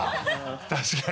確かに！